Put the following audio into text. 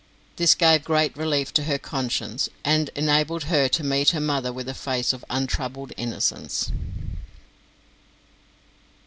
This gave great relief to her conscience, and enabled her to meet her mother with a face of untroubled innocence.